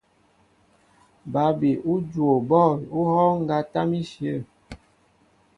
Ba úbi ú juwo bɔ̂l ú hɔ́ɔ́ŋ ŋgá tâm íshyə̂.